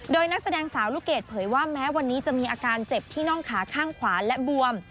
โดยนักแสดงสาวลูกเกดเผยว่าแม้วันนี้จะมีอาการเจ็บที่น่องขาข้างขวาและบวม